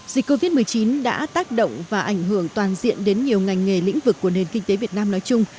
dịch covid một mươi chín đã tác động và ảnh hưởng toàn diện đến nhiều ngành nghề lĩnh vực của nền kinh tế việt nam nói chung